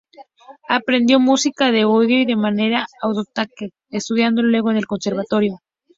Aprendió música de oído y de manera autodidacta, estudiando luego en el Conservatorio.